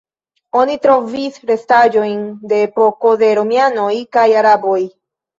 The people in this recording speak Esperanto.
Oni trovis restaĵojn de epoko de romianoj kaj araboj.